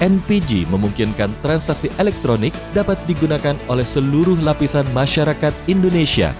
npg memungkinkan transaksi elektronik dapat digunakan oleh seluruh lapisan masyarakat indonesia